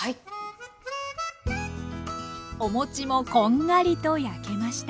お餅もこんがりと焼けました。